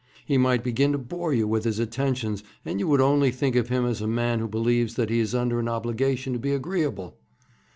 He might begin to bore you with his attentions, and you would only think of him as a man who believes that he is under an obligation to be agreeable.'